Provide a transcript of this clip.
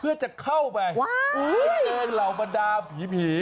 เพื่อจะเข้าไปไปเจอเหล่าบรรดาผี